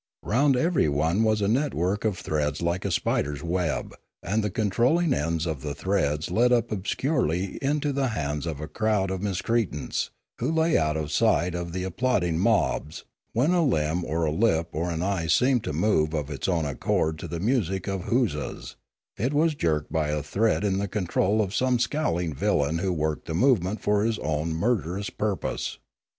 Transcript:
Round everyone was a network Their Heaven and Their Hell 243 of threads like a spider's web, and the controlling ends of the threads led up obscurely into the hands of a crowd of miscreants, who lay out of sight of the ap plauding mobs; when a limb or a lip or an eye seemed to move of its own accord to the music of huzzas, it was jerked by a thread in the control of some scowling villain who worked the movement for his own murder ous purpose.